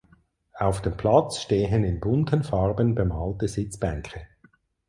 Auf dem Platz stehen in bunten Farben bemalte Sitzbänke.